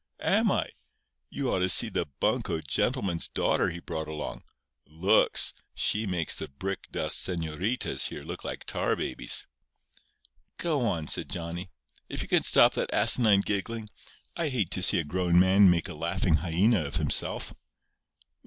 "Am I? You ought to see the buncoed gentleman's daughter he brought along. Looks! She makes the brick dust señoritas here look like tar babies." "Go on," said Johnny, "if you can stop that asinine giggling. I hate to see a grown man make a laughing hyena of himself."